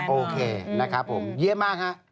โอเคนะครับผมเยี่ยมมากฮะ